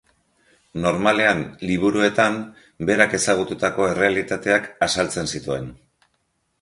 Normalean liburuetan berak ezagututako errealitateak azaltzen zituen.